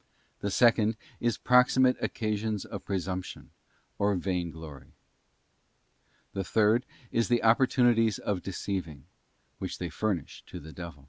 The second is proximate occasions of _presomption or vain glory. The third is the opportunities of deceiving, which they furnish to the devil.